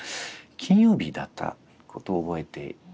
金曜日だったことを覚えています。